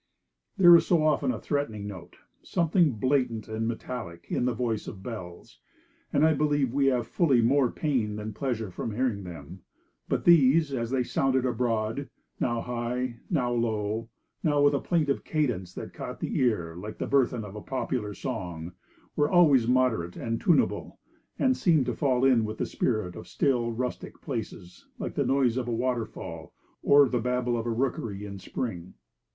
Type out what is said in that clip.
There is so often a threatening note, something blatant and metallic, in the voice of bells, that I believe we have fully more pain than pleasure from hearing them; but these, as they sounded abroad, now high, now low, now with a plaintive cadence that caught the ear like the burthen of a popular song, were always moderate and tunable, and seemed to fall in with the spirit of still, rustic places, like the noise of a waterfall or the babble of a rookery in spring.